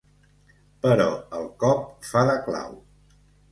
Però el cop fa de clau.